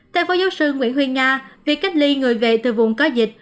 theo phó giáo sư nguyễn huy nga việc cách ly người về từ vùng có dịch